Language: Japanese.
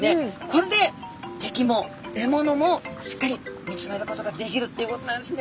これで敵も獲物もしっかり見つめることができるっていうことなんですね。